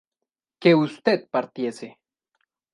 que usted partiese